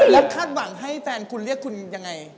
และทันหวังให้แฟนคุณเรียกคุณอย่างไร